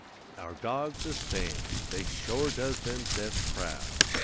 "'Our dogs is sta'nch; they shore does themse'fs proud.